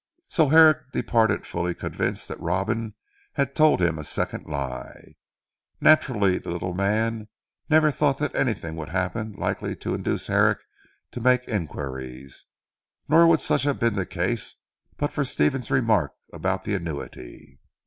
So Herrick departed fully convinced that Robin had told him a second lie. Naturally the little man never thought that anything would happen likely to induce Herrick to make enquires. Nor would such have been the case, but for Stephen's remark about the annuity.